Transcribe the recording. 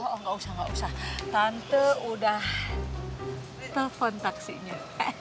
oh gak usah tante udah telepon taksinya